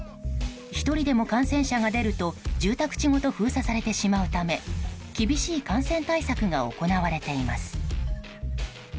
１人でも感染者が出ると住宅地ごと封鎖されてしまうため厳しい感染対策が行われています。